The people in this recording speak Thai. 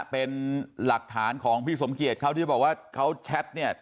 เป็นหลักฐานของพี่สมเกียจเขาที่บอกว่าเขาแชทเนี่ย